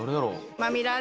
まみらー？